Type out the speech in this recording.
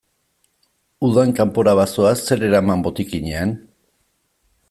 Udan kanpora bazoaz, zer eraman botikinean?